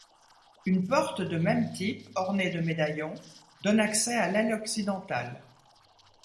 Une porte de même type, ornée de médaillons, donne accès à l'aile occidentale.